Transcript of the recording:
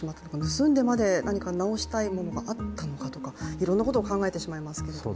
盗んでまで何か治したいものがあったのかとかいろんなことを考えてしまいますけれども。